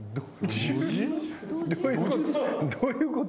どういうこと？